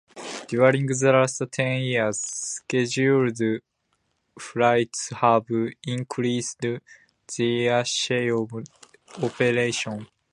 During the last ten years, scheduled flights have increased their share of operations.